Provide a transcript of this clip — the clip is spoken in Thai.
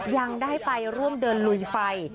ยังได้ไปร่วมเดินลุยไฟ